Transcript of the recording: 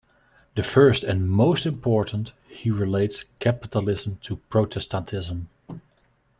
The first and most important, he relates capitalism to Protestantism.